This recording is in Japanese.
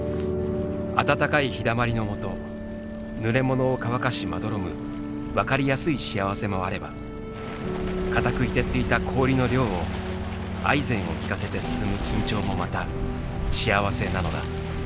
暖かい日だまりのもとぬれものを乾かしまどろむ分かりやすい幸せもあればかたくいてついた氷の稜をアイゼンを利かせて進む緊張もまた幸せなのだ。